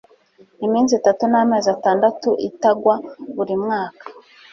iminsi itatu n amezi atandatu itagwa buri mwaka